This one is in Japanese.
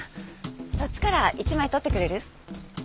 そっちから１枚撮ってくれる？